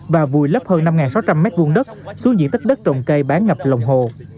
và vùi lấp hơn năm sáu trăm linh m hai đất xuống diện tích đất trồng cây bán ngập lòng hồ